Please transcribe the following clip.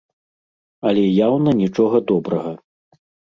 Але яўна нічога добрага.